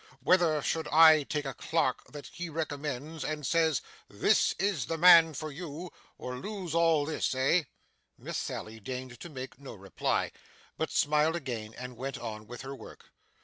Whether should I take a clerk that he recommends, and says, "this is the man for you," or lose all this, eh?' Miss Sally deigned to make no reply, but smiled again, and went on with her work.